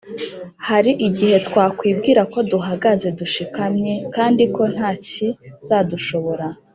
hari igihe twakwibwira ko duhagaze dushikamye, kandi ko nta kizadushobora